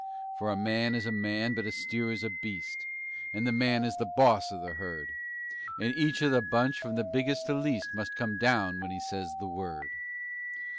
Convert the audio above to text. For a man is a man, but a steer is a beast, And the man is the boss of the herd, And each of the bunch, from the biggest to least, _Must come down when he says the word.